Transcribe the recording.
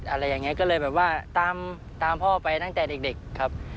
อะไรอย่างนี้ก็เลยแบบว่าตามพ่อไปตั้งแต่เด็กครับ